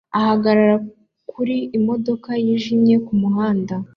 ahagarara kuri imodoka yijimye kumuhanda